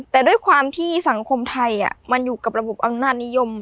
แต่ด้วยความที่สังคมไทยมันอยู่กับระบบอำนาจนิยม